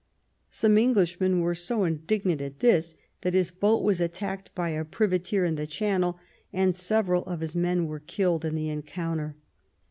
Some Englishmen were so indignant at this that his boat was attacked by a privateer in the Channel, and several of his men were killed in the encounter.